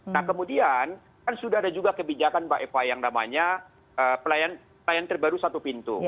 nah kemudian kan sudah ada juga kebijakan mbak eva yang namanya pelayanan terbaru satu pintu